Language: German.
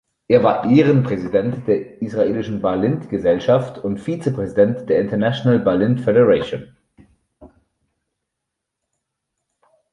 Er war Ehrenpräsident der Israelischen Balint-Gesellschaft und Vizepräsident der International Balint Federation.